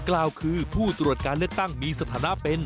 กล่าวคือผู้ตรวจการเลือกตั้งมีสถานะเป็น